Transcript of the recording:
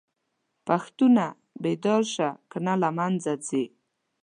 پښتونه!! بيدار شه کنه له منځه ځې